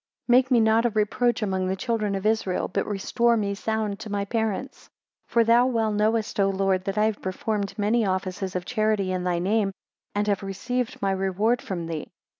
23 Make me not a reproach among the children of Israel, but restore me sound to my parents. 24 For thou well knowest, O Lord, that I have performed many offices of charity in thy name, and have received my reward from thee.